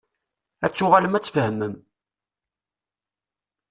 Ad tuɣalem ad tfehmem.